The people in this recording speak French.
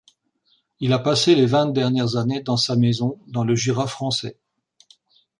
Il a passé les vingt dernières années dans sa maison dans le Jura français.